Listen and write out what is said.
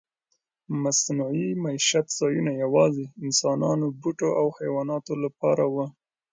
مصنوعي میشت ځایونه یواځې انسانانو، بوټو او حیواناتو لپاره و.